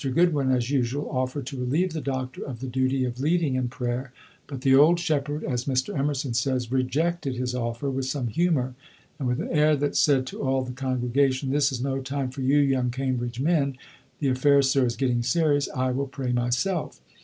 Goodwin, as usual, offered to relieve the doctor of the duty of leading in prayer, but the old shepherd, as Mr. Emerson says, "rejected his offer with some humor, and with an air that said to all the congregation, 'This is no time for you young Cambridge men; the affair, sir, is getting serious; I will pray myself.'"